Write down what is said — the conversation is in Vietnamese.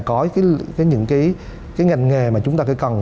có những cái ngành nghề mà chúng ta phải cần